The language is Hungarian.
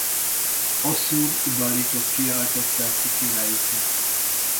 Assur-uballitot kiáltották ki királyuknak.